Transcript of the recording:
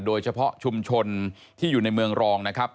โดยเฉพาะชุมชนที่อยู่ในเมืองรองนะครับ